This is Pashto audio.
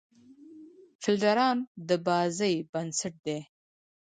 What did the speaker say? فیلډران د بازۍ بېنسټ دي.